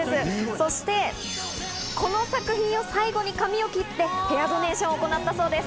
そして、この作品を最後に髪を切ってヘアドネーションを行ったそうです。